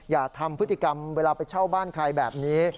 อย่าทำพฤติกรรมเวลาไปเช่าบ้านใครแบบนี้